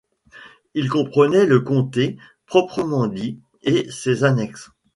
Il comprenait le comté proprement dit et ses annexes.